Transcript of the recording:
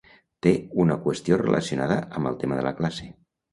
Té una qüestió relacionada amb el tema de la classe.